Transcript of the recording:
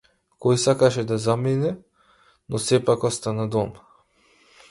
Тој сакаше да замине но сепак остана дома.